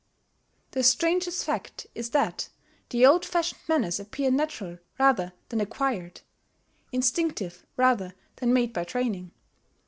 The strangest fact is that the old fashioned manners appear natural rather than acquired, instinctive rather than made by training.